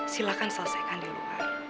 silakan selesaikan di luar